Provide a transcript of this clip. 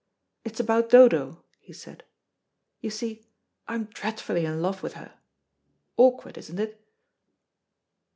"It's about Dodo," he said. "You see I'm dreadfully in love with her. Awkward, isn't it?"